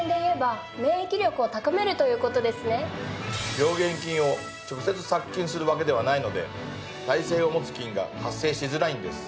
病原菌を直接殺菌するわけではないので耐性を持つ菌が発生しづらいんです。